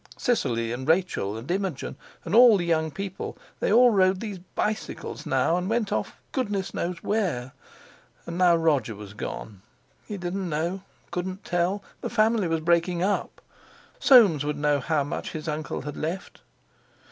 Cicely and Rachel and Imogen and all the young people—they all rode those bicycles now and went off Goodness knew where. And now Roger was gone. He didn't know—couldn't tell! The family was breaking up. Soames would know how much his uncle had left.